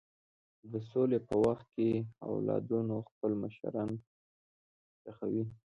د سولې په وخت کې اولادونه خپل مشران ښخوي.